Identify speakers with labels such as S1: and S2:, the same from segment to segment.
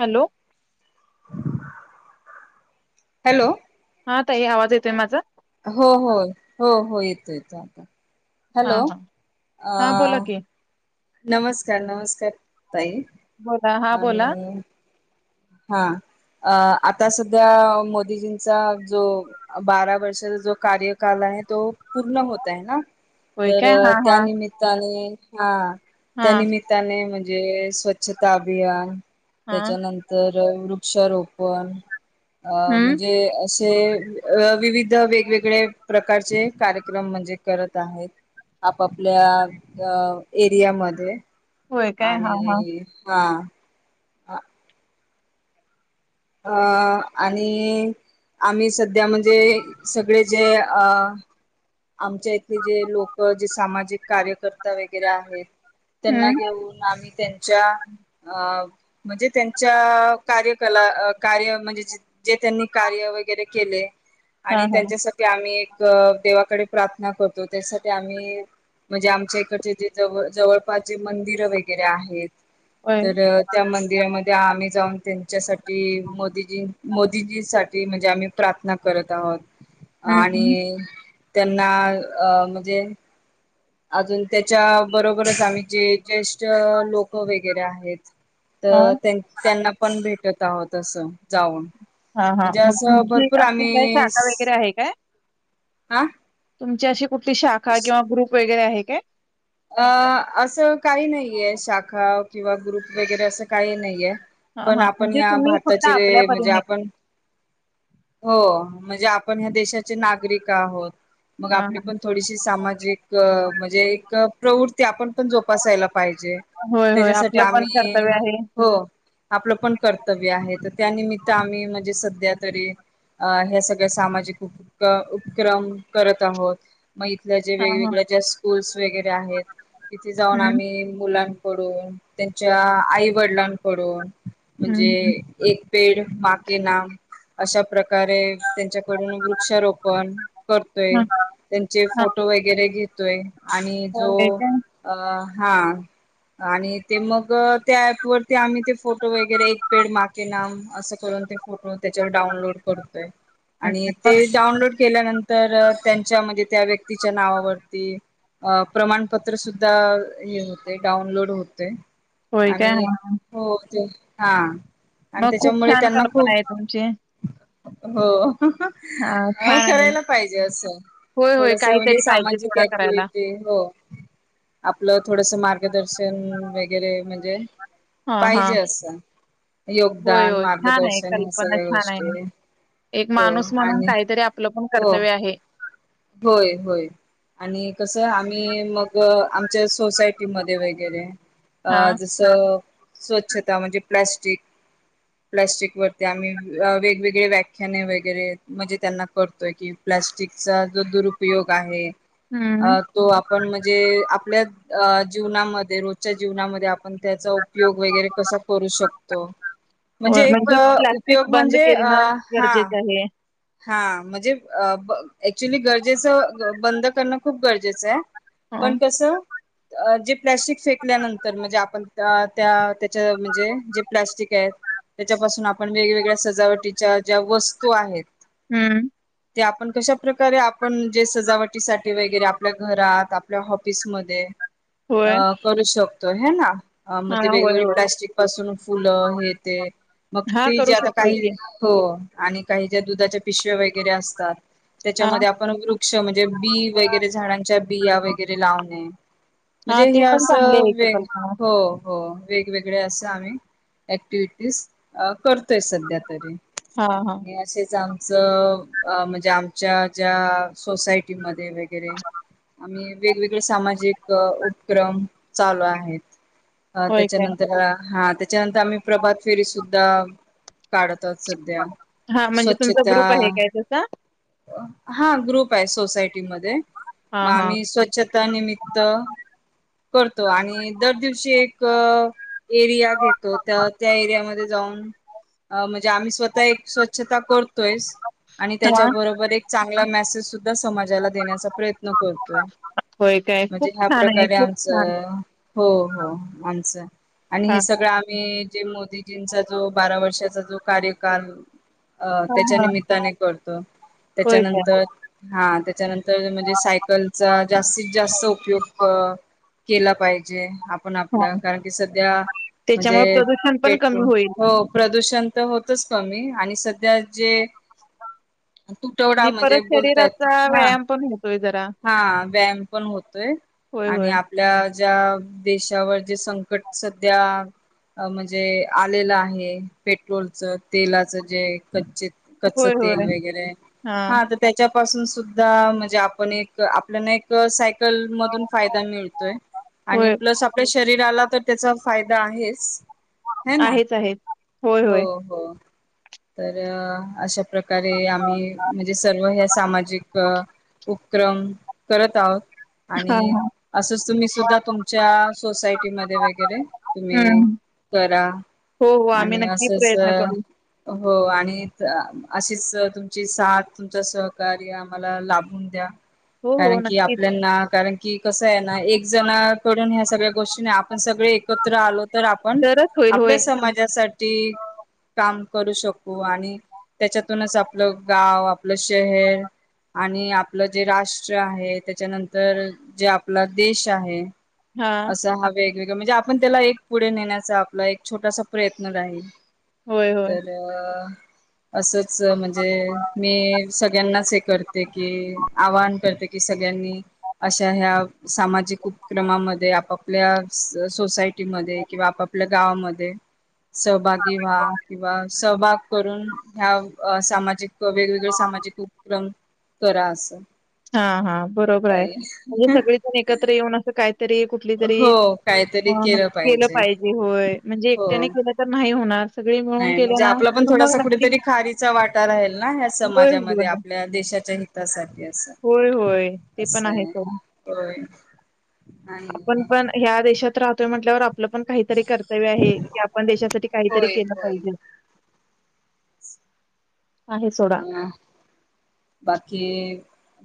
S1: Hello
S2: hello
S1: हा ताई आवाज येतेय माझा?
S2: हो हो हो हो येतो येतो आता
S1: हा
S2: हॅलो
S1: हा हा बोला
S2: अ
S1: की
S2: नमस्कार नमस्कार. ताई
S1: बोला हा
S2: आन
S1: बोला
S2: हा अ आता सध्या मोदीजींचा जो अ बारा वर्षाचा जो कार्यकाल हाय तो पूर्ण होत हाय ना?
S1: होय
S2: तर
S1: काय हा हा
S2: त्यामित्ताने हा.
S1: हा
S2: त्या निमित्ताने म्हण म्हणजे स्वच्छता अभियान
S1: हा
S2: त्याच्यानं तर वृक्षारोपण अ
S1: हम्म
S2: म्हणजे अ असे अ विविध वेगवेगळे प्रकारचे कार्यक्रम म्हणजे करत आहेत आपापल्या अ एरियामध्ये.
S1: होय काय हा हा
S2: आणि हा. हा. अ आणि आम्ही सध्या म्हणजे सगळे जे अ आमच्या इथे जे लोक जे सामाजिक कार्यकर्ता वगैरे आहेत. त्यांना
S1: हम्म
S2: घेऊन आम्ही त्यांच्या अ म्हंजे त्यांच्या कार्यकला कार्य म्हणजे जे जे त्यांनी कार्य वगैरे केले
S1: हा
S2: आणि
S1: हा
S2: त्यांच्यासाठी आम्ही एक अ देवाकडे प्रार्थना करतो त्यासाठी आम्ही म्हणजे आमच्या इकडचे जे जवळ जवळपास जे मंदिरं वगैरे आहेत.
S1: होय
S2: तर त्या मंदिरामध्ये आम्ही जाऊन त्यांच्यासाठी मोदीजी मोदीजी साठी म्हणजे आम्ही प्रार्थना करत आहोत. आणि
S1: हम्म
S2: त्यांना अ मजे अजून त्याच्या बरोबरच आम्ही जे ज्येष्ठ लोक वगैरे आहेत.
S1: हा
S2: तर त्यानं त्यांना पण भेटत जावं तस. जाऊन.
S1: हा हा
S2: म्हणजे
S1: मग
S2: असं
S1: तुमची
S2: भरपूर
S1: अस काय शाखा वगैरे आहे काय?
S2: आ
S1: तुमची अशी कुठली शाखाय किंवा ग्रुप व वगैरे आहे काय?
S2: अ असं काही नाईये शाखा किंवा ग्रुप वगैरे असं काही नाइये.
S1: हा
S2: पण
S1: हा
S2: आपण
S1: म्हणजे तुम्ही फक्त आपल्या परीने
S2: हो म्हणजे आपण ह्या देशा नगरिक आहोत, मग
S1: हा
S2: आपली
S1: हा
S2: पण थोडीशी सामाजिक म्हणजे एक प्रवृत्ती आपण पण जोपासायला पाहिजे.
S1: होय होय
S2: त्याच्यासाठी
S1: आपलं पण
S2: आम्ही
S1: कर्तव्य आहे
S2: हो आपलं पण कर्तव्य आहे. त्यानिमित्त आम्ही म्हणजे [unintelligible] द्या तरी अं ह्या सगळ्या सामाजिक उप उपक्रम करत आहोत. मग इथल्या जे
S1: हा हा
S2: वेगवेगळ्या ज्या स्कूल्स वगैरे आहेत तिथे जाऊन
S1: हम्म
S2: आम्ही मुलांना डून त्यांच्या आई वडिलांकडून
S1: हम्म
S2: म्हणजे
S1: हम्म
S2: एक पेड.... बाकी ना अशा अरे त्यांच्याकडून वृक्षारोपण करतोय.
S1: हा
S2: त्यांचे
S1: हा
S2: फोटो वगैरे घेत आणि जो
S1: होय काय
S2: अ हा. आणि ते मग त्या ऍप वरती आम्ही ते फोटो वगैरे एक पेड मा के नाम असं करून ते फोटो त्याच्यावर डा तय आणि
S1: हम्म
S2: ते
S1: मग
S2: डाऊनलोड केल्यानं तर त्यांच्या म्हणजे. त्या व्यक्तीच्या नावावरती प्रमाणपत्र सुद्धा हे होते. डाउनलोड होतय.
S1: होय काय
S2: आणि
S1: हा
S2: हो ते हा. आणि
S1: मग.. खूप
S2: त्याच्यामुळे
S1: छान
S2: त्यांना
S1: कल्पना
S2: खूप
S1: आहे तुमची.
S2: हो..
S1: हा छान आहे.
S2: करायला पाहिजे असं
S1: होय, होय
S2: थोडस म्हणजे
S1: काहीतरी पाहिजे
S2: सामाजिक
S1: थोडा करायला.
S2: ऍक्टिव्हटी हो, आपलं थोडस मार्गदर्शन वेग गेले म्हणजे?
S1: हा हा.
S2: पाहिजे असं.
S1: होय,
S2: योगदान
S1: होय छान आहे
S2: मार्गदर्शन ह्या
S1: कल्पना
S2: सगळ्या
S1: छान
S2: गोष्टी,
S1: आहे. एक
S2: हो
S1: माणूस म्हणून
S2: आणि
S1: काहीतरी आपलं पण
S2: हो
S1: कर्तव्य आहे.
S2: होय होय आणि कसं आम्ही मग आमच्या सोसायटीमध्ये वगैरे
S1: हा.
S2: अ जस.. स्वच्छता म्हणजे प्लॅस्टिक प्लॅस्टिक वरती आम्ही वेगवेगळे व्या ख्याणे वगैरे म्हणजे त्यांना करतोय की प्लॅस्टिकचा जो दुरुपयोग आहे.
S1: हम्म.
S2: अ तो आपण म्हणजे आपल्या अ जीवनामध्ये रोजच्या जीवनामध्ये आपण त्याचा उपयोग वगैरे कसा करू शकतो? म्हणजे..
S1: होय,
S2: एक
S1: प्लास्टिक
S2: उपयोग
S1: बंद
S2: म्हणजे अ
S1: करणं
S2: हा
S1: गरजेचं आहे.
S2: हा.. म्हणजे ऍक्च्युली गरजेच बंद करण खूप गरजेच आहे.
S1: हा
S2: पण कस? जे प्लॅस्टिक फेकल्यानंतर म्हणजे.. आपण त्या त्याच्या म्हणजे.. जे प्लॅस्टिक आहेत. त्याच्यापासून आपण वेगवेगळ्या सजावटीच्या ज्या वस्तू आहेत.
S1: हम्म
S2: ते आपण कशा प्रकारे आपण जे सजावटीसाठी वगैरे आपल्या घरात आपल्या ऑफिस मध्ये
S1: होय.
S2: अ करू शकतो. तो हे ना? अ म
S1: हा
S2: ते
S1: होय,
S2: वेगवेगळे
S1: होय
S2: प्लॅस्टिक पासून फुलं हे ते म
S1: हा
S2: ते जे
S1: करू
S2: आता
S1: शकतोय
S2: काही
S1: की
S2: हो. आणि काही ज दुधाच्या पिशव्या वैगरे असतात.
S1: हा.
S2: त्याच्यामध्ये आपण वृक्ष म्हणजे. बी.. वैगरे झाडांच्या बिया वगैरे लावणे.
S1: हा
S2: म्हणजे
S1: ते
S2: हे
S1: पण
S2: अस
S1: चांगले आहे की
S2: वे
S1: कल्पना.
S2: हो हो. वेगवेगळे असे आम्ही ऍक्टिविटीज करतोय सध्या तरी
S1: हा हा.
S2: आणि असेच आमचं. म्हणजे आमच्या ज्या सोसायटीमध्ये वगैरे आम्ही वेगवेगळे सामाजिक उपक्रम चालू आहेत. अ
S1: होय काय.
S2: त्याच्यानंतर हा त्याच्यानंतर आम्ही प्रभात फेरी सुद्धा [inaudible] काढतात सध्या.
S1: हा म्हणजे तुमचा
S2: स्वच्छता
S1: ग्रुप आहे काय तसा
S2: हा ग्रुप आहे सोसायटीमध्ये मग
S1: हा हा.
S2: आम्ही स्वच्छता निमित्त करतो आणि दर दिवशी एक एरिया घेतो त्या त्या एरियामध्ये म्हणजे आम्ही स्वतः करतोयस आणि
S1: हा.
S2: त्याच्याबरोबर एक चा किंवा मेसेज सुद्धा समाजाला देण्याचा प्रयत्न प्रयत्न करतोय
S1: होय काय
S2: म्हणजे
S1: खूप
S2: ह्या
S1: छान आहे
S2: प्रकारे
S1: खूप छान
S2: आमचं. हो हो माणसं. आणि
S1: हा
S2: हे सगळं आम्ही म्हणजे मोदीजींचा जो बारा वर्षाचा जो कार्यकाल. अ त्याच्या
S1: हा
S2: निमित्ताने करतो
S1: होय काय
S2: त्याच्यानंतर हा. [inaudible] तर म्हणजे सायकलचा जास्तीत जास्त उपयोग. केला पाहिजे. आपण आपल्या
S1: हा
S2: कारण की सध्या म्हणजे
S1: त्याच्यामुळे प्रदूषण पण कमी
S2: पेट्रोल
S1: होईल
S2: हो प्रदूषण तेअ होतच कमी आणि सध्या त्यात जे तुटवडा
S1: आणि
S2: म्हणजे
S1: परत
S2: बोलतायत
S1: शरीराचा
S2: हा,
S1: व्यायाम पण होतोय जरा
S2: हा व्यायाम पण होतोय
S1: होय
S2: आणि
S1: होय
S2: आपल्या. ज्या देशावर जे संकट सध्या म्हणजे आलेलं आहे, पेट्रोलचं तेलाचं जे. कच्चे. कच्च
S1: होय
S2: तेल
S1: होय
S2: वगैरे हा तर त्याच्या. पासून सुद्धा म्हणजे आपण एक आपल्याला एक साय सायकल मधून फायदा मिळतोय, आणि
S1: होय
S2: प्लस आपल्या शरीराला तर त्याचा. फायदा आहेच. है ना
S1: आहेच-आहेच,
S2: हो
S1: हो-होय.
S2: हो तर अशा प्रकारे आम्ही म्हणजे सर्व ह्या सामाजिक उपक्रम करत आहोत.
S1: हा
S2: आणि
S1: हा
S2: असंच तुम्ही सुद्धा तुमच्या सोसायटीमध्ये वगैरे तुम्ही
S1: हम्म
S2: करा
S1: हो हो आम्ही
S2: आणि
S1: नक्की
S2: असच-
S1: प्रयत्न करू
S2: आणि अशीच तुमची साथ तुमच सहकार्य आम्हाला लाभून द्या.
S1: हो हो
S2: कारण की
S1: नक्की
S2: आपल्याना कारण- कि कसंय ना एक जणकडून ह्या सगळ्या गोष्टी नाही आपण सगळे एकत्र आलो. तर आपण
S1: तरच होईल होय
S2: आपल्या समाजासाठी काम. करू शकू आणि त्याच्यातूनच आपलं गाव, आपलं शहर, आणि आपलं जे राष्ट्र आहे, त्याच्यानंतर जे आपला देश आहे.
S1: हा
S2: असं हावे- म्हणजे आपण त्याला एक पुढे नेण्याचा आपला एक छोटासा प्रयत्न राहील.
S1: होय
S2: तल्या असत. अस म्हणजे, मी सगळ्यांनाच एक करते कि, आवाहन करते कि, सगळ्यांनी अशा ह्या सामाजिक उपक्रमामध्ये, आपापल्या सोसायटीमध्ये किंवा आपापल्या गावामध्ये सहभागी व्हा.
S1: होय
S2: सहभाग करून, ह्या सामाजिक वेगवेगळे सामाजिक उपक्रम करा असं.
S1: हा हा. बरोबर हाय म्हणजे सगळी जण एकत्र येऊन असं काय तरी, कुठली तरी, केलं पाहिजे. होय म्हणजे
S2: हो
S1: एकट्याने केलं तर नाही होणार. सगळे मिळून
S2: नाही
S1: केलं
S2: म्हणजे,
S1: ना
S2: आपला पण
S1: तर
S2: थोडासा
S1: मग
S2: कुठेतरी खारीचा वाटा राहील ना, ह्या
S1: होय,
S2: समाजामध्ये,
S1: होय.
S2: आपल्या देशाच्या ही
S1: होय होय. ते पण आहे, ओ
S2: होय आणि
S1: आपण पण ह्या देशात राहतोय म्हटल्यावर आप आपलं पण काहीतरी कर्तव्य आहे कि, आपण देशासाठी काहीतरी
S2: होय
S1: केलं
S2: होय
S1: पाहिजेल. आहे सोडा.
S2: अ बाकी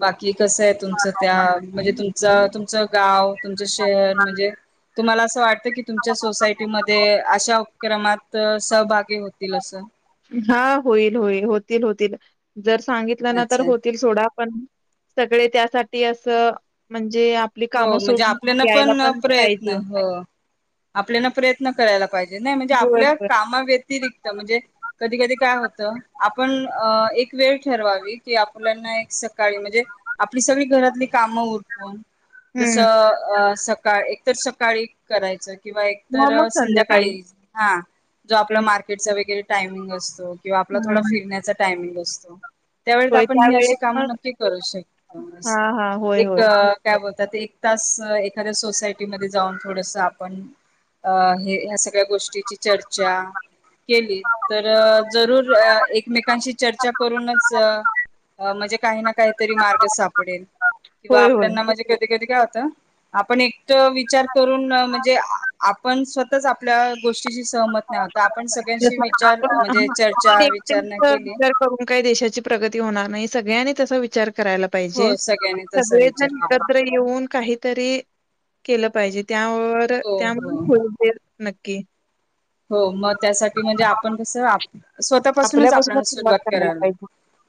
S2: बा- कि कसंय तुमचं त्या म्हणजे तु- च- तुमचं गाव तुमचं शहर म्हणजे- तुम्हाला असं वाटतं की तुमच्या सोसायटीमध्ये अशा उपक्रमात सहभागी होतील असं.
S1: हा होईल होईल होतील होतील जर- सांगितल् ना तर
S2: अच्छा
S1: होतील सोडा- पण सगळे त्यासाठी अस म्हणजे- आपली
S2: हो
S1: कामं
S2: म्हणजे
S1: सोडून
S2: आपल्याना
S1: यायला
S2: पण प्रयत्न
S1: पाहिजे
S2: हो आपल्याना प्रयत्न करायला लागत. पाहिजे नाय म्हणजे
S1: होय
S2: आपल्या कामाव्यतिरिक्त म्हणजे कधी कधी काय होतं- आपण एक वेळ ठरवावी की आपल्याना एक सकाळी म्हणजे आपली सगळी घरातली कामं उरकून जस
S1: हम्म
S2: अ स सकाळ एक तरर सकाळी करायचं किंवा एक
S1: मग
S2: तर
S1: मग
S2: संध्याकाळी हा जो आपला
S1: होय
S2: मार्केटचा वगैरे टायमिंग असतो. किंवा आपला थोडा
S1: हम्म
S2: फिरण्याचा टायमिंग असतो. त्यावेळेत
S1: होय
S2: आपण ही अशी
S1: त्यावेळेस
S2: कामं
S1: मग
S2: नक्की करू शकतो.
S1: हा
S2: अस
S1: हा होय
S2: एक
S1: होय
S2: एक तास एखाद्या सोसायटी मध्ये जाऊन थोडस आपण ह सगळ्या गोष्टीची चर्चा केली तर जरूर एकमेकांशी चर्चा करूनच म्हणजे काही ना. काहीतरी मार्ग सापडेल किंवा
S1: होय होय
S2: ना कध [unintelligible] आपण एक विचार करून म्हणजे आपण स्वतःच आपल्या गोष्टीशी सहमत नाही होत आपण सगळ्यांशी विचार म्हणजे चर्चा
S1: एकट
S2: विचारणा केली
S1: विचार करून काही देशाची प्रगती होणार नाही. सगळ्यांनी तसा विचार करायला पाहिजे
S2: हो सगळ्यांनी तसा विचार
S1: सगळेजण
S2: करा
S1: एकत्र येऊन काही तरी केलं पाहिजे. त्यावर
S2: हो
S1: त्या
S2: हो
S1: ख नक्की
S2: हो मग त्यासाठी म्हणजे आपण कस स्वतःपासूनच आपल्याला
S1: आपल्यापासूनच
S2: सुरुवात
S1: करायला
S2: करायल
S1: पाहिजे.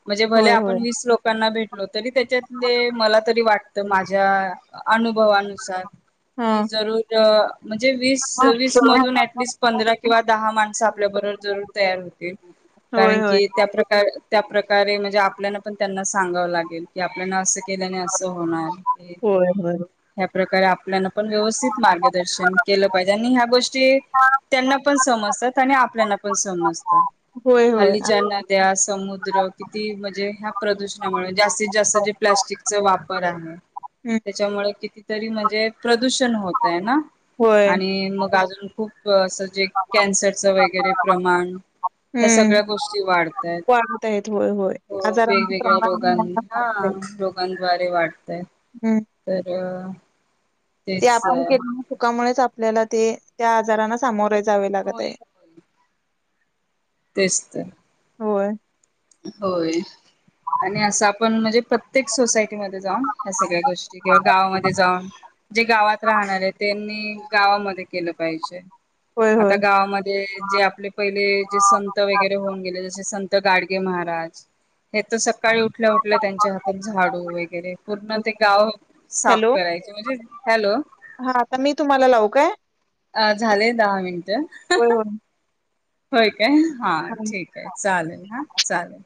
S2: म्हणजे भले
S1: होय
S2: आपण
S1: होय
S2: वीस लोकांना भेटलो तरी त्याच्यातले मला तरी वाट. तर माझ्या अनुभवानुसार.. की
S1: हा
S2: जरूर म्हणजे वीस वीस मधून ऍटलिस्ट पंधरा किंवा दहा माणसं आपल्या बरोबर जरूर तयार होतील.
S1: होय
S2: कारण
S1: होय
S2: की [unintelligible] त्या प्रकारे म्हणजे आपल्या पण त्यांना सांगावं लागेल की आपल्याना अस केल्याने अस होणार.
S1: होय होय.
S2: त्या प्रकारे अपंग मॅडम आपण व्यवस्थित मार्गदर्शन केलं पाहिजे आणि ह्या गोष्टी त्यांना पण समजतात आणि आपल्याना पण समजतात.
S1: होय होय.
S2: हल्लीच्या नद्या समुद्र किती म्हणजे ह्या प्रदूषणामुळे जास्तीत जास्त जे प्लस्टिकचा वापर आहे
S1: हम्म
S2: त्याच्यामुळे किती. तरी म्हणजे प्र प्रदूषण होतय ना
S1: होय
S2: आणि मग अंग खूप असं कन्सरच वगरे प्रमाण ह्या
S1: हम्म
S2: सगळ्या गोष्टी वाटताय
S1: वाढत आहेत होय होय. आजारांचे
S2: वेगवेगळ्या
S1: प्रमाण
S2: रोगां
S1: पण वाढत आहे.
S2: ह रोगांवर ते वाढ
S1: हम्म
S2: तर
S1: ते
S2: तेच
S1: आपण केलेल्या चुका मुळेच आपण आपल्याला ते त्या आजारांना सामोरे जावे लागतं आहे.
S2: होय तेच तर
S1: होय.
S2: होय आणि असं आपण म्हणजे प्रत्येक सोसायटीमध्ये जाऊन ह्या सगळ्या गोष्टी किंवा गावामध्ये जाऊन जे गावात राहणारे त्यांनी गावामध्ये केलं पाहिजे.
S1: होय,
S2: आता
S1: होय.
S2: गावामध्ये जे आपले पहिले जे संत वगैरे होऊन गेले जसे संत तर गाडी ते महाराज हे तर सकाळी उठल्या उठल्या त्यांच्या हातात झाडू वगैरे पूर्ण ते गाव साफ
S1: हॅलो,
S2: करायचे म्हणजे हॅलो.
S1: हा आता मी तुम्हाला लावू काय?
S2: अ झाले दहा मिनटं.
S1: होय,
S2: होय. हा
S1: होय.
S2: ठीक आहे चालेल. हा! चालेल.